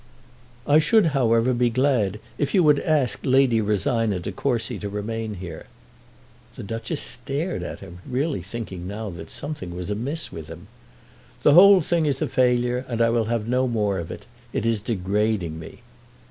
"I should, however, be glad if you would ask Lady Rosina De Courcy to remain here." The Duchess stared at him, really thinking now that something was amiss with him. "The whole thing is a failure and I will have no more of it. It is degrading me."